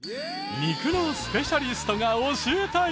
肉のスペシャリストが教えたい！